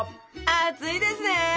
熱いですね！